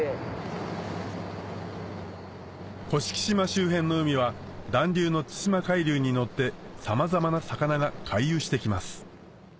甑島周辺の海は暖流の対馬海流に乗ってさまざまな魚が回遊してきます